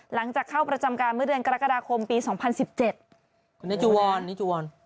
หลังจากเข้าประจำการเมื่อเดือนกรกฎาคมปีสองพันสิบเจ็ดคุณนิจุวรนิจุวร